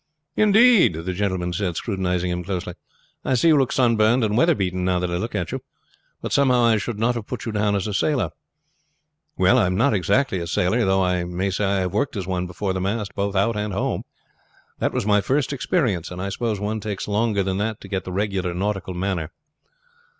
"Indeed!" the gentleman said, scrutinizing him closely. "I see you look sunburned and weather beaten now that I look at you; but somehow I should not have put you down as a sailor." "Well, I am not exactly a sailor; though I may say I have worked as one before the mast both out and home. That was my first experience; and I suppose one takes longer than that to get the regular nautical manner."